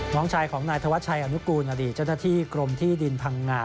น้องชายของนายธวัชชัยอนุกูลอดีตเจ้าหน้าที่กรมที่ดินพังงา